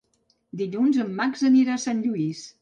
Dilluns en Max anirà a Sant Lluís.